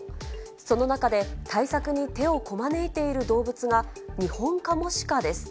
その中で対策に手をこまねいている動物がニホンカモシカです。